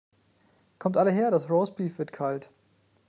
Kommt alle her, das Roastbeef wird kalt!